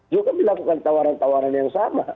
juga dilakukan tawaran tawaran yang sama